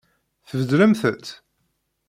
Tbeddlemt-t?